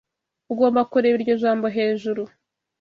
Ugomba kureba iryo jambo hejuru.